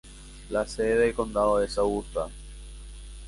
La sede del condado es Augusta.